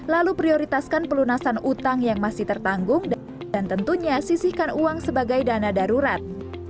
lalu prioritaskan pelunasan utang yang masih tertanggung dan tentunya sisihkan uang sebagai dana darurat